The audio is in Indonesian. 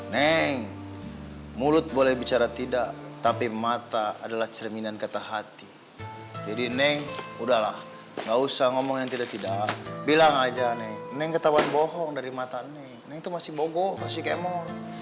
neng mulut boleh bicara tidak tapi mata adalah cerminan kata hati jadi neng udahlah gak usah ngomong yang tidak tidak bilang aja nih neng ketahuan bohong dari mata neng neng itu masih bogo masih kemor